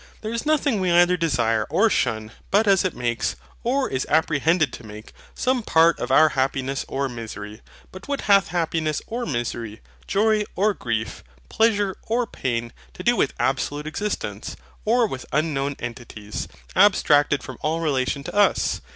There is nothing we either desire or shun but as it makes, or is apprehended to make, some part of our happiness or misery. But what hath happiness or misery, joy or grief, pleasure or pain, to do with Absolute Existence; or with unknown entities, ABSTRACTED FROM ALL RELATION TO US?